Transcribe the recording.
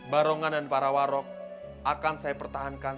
barongan dan para warok akan saya pertahankan